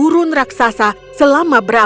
mungkin dia membalas dendam